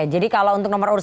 jadi kalau untuk nomor satu